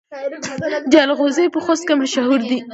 جلغوزي په خوست کې مشهور دي